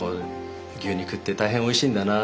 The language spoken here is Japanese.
牛肉って大変おいしいんだな